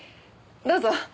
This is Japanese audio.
どうぞ。